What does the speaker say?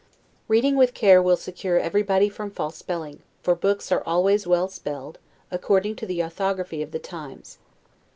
Reading with care will secure everybody from false spelling; for books are always well spelled, according to the orthography of the times.